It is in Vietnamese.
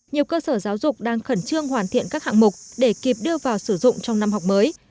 nhiều cơ sở giáo dục đang khẩn trương hoàn thiện các hạng mục để kịp đưa vào sử dụng trong năm học mới